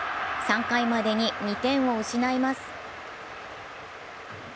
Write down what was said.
３回までに２点を失います。